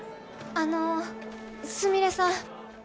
あのすみれさん。